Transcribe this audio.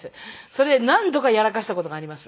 それ何度かやらかした事があります。